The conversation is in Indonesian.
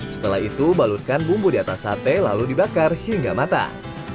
setelah itu balurkan bumbu di atas sate lalu dibakar hingga matang